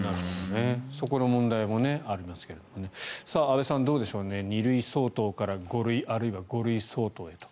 そこの問題もありますが安部さん、どうでしょう２類相当から５類あるいは５類相当へと。